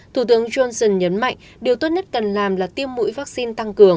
thủ tướng johnson nhấn mạnh điều tốt nhất cần làm là tiêm mũi vaccine tăng cường